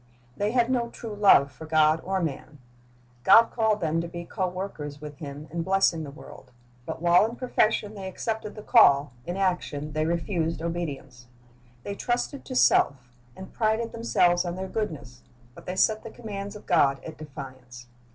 "^ They had no true love for God or man. God called them to be co workers with Him in blessing the world; but while in profession they accepted the call, in action they refused obedience. They trusted to self, and prided themselves on their goodness; but they set the commands of God at defiance.